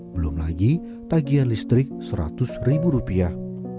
belum lagi tagihan listrik seratus ribu rupiah